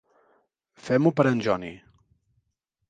Fem-ho per en Johnny.